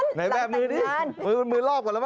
นิดนึงแบบนี้แม่นอยุธรรมลัวนะว่ะ